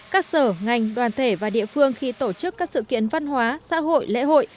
các sở ngành đoàn thể và địa phương khi tổ chức các sự kiện văn hóa xã hội lễ hội